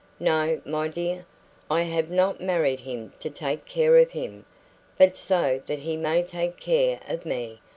No, my dear, I have not married him to take care of him, but so that he may take care of me.